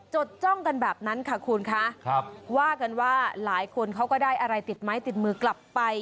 จ้องกันแบบนั้นค่ะคุณคะว่ากันว่าหลายคนเขาก็ได้อะไรติดไม้ติดมือกลับไป